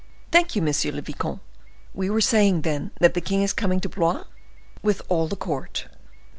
"Thank you, Monsieur le Vicomte. We were saying, then, that the king is coming to Blois?" "With all the court."